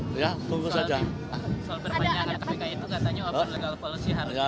soal perbanyakan tapi kayak itu katanya oper legal polusi harusnya